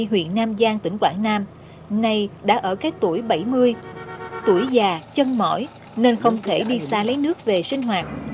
huyện nam giang tỉnh quảng nam nay đã ở cái tuổi bảy mươi tuổi già chân mỏi nên không thể đi xa lấy nước về sinh hoạt